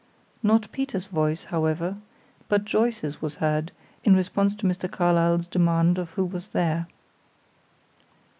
Not Peter's voice, however, but Joyce's was heard, in response to Mr. Carlyle's demand of who was there.